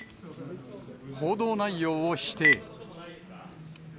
報道内容を否定。